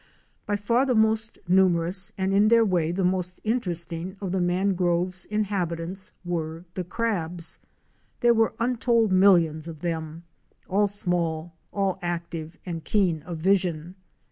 By far the most numerous, and in their way the most interesting of the mangroves' inhabitants, were the crabs. Fic. 7. Four Evep Fisu, There were untold millions of them, all small, all active and keen of vision.